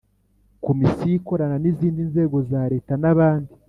Komisiyo ikorana n izindi nzego za Leta n abandi